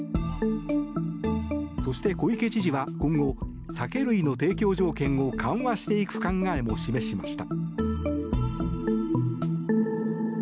そして小池知事は今後酒類の提供条件を緩和していく考えを示しました。